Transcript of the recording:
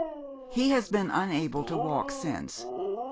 "He has been unable to walk since.